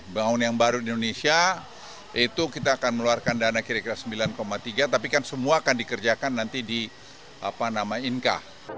bangun yang baru di indonesia itu kita akan meluarkan dana kira kira sembilan tiga tapi kan semua akan dikerjakan nanti di inka